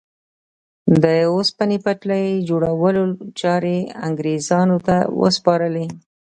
د اوسپنې پټلۍ جوړولو چارې انګرېزانو ته وسپارلې.